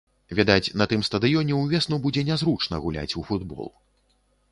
Відаць, на тым стадыёне ўвесну будзе нязручна гуляць у футбол.